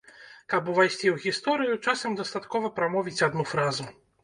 Каб увайсці ў гісторыю, часам дастаткова прамовіць адну фразу.